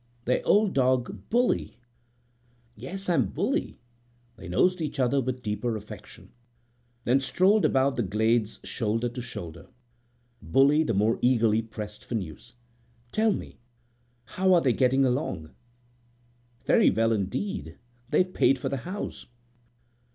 "Their old dog Bully?" "Yes, I'm Bully." They nosed each other with deeper affection, then strolled about the glades shoulder to shoulder. Bully the more eagerly pressed for news. "Tell me, how are they getting along?" "Very well indeed; they've paid for the house."